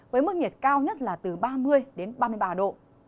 với mức nhiệt cao nhất là từ ba mươi đến ba mươi ba độ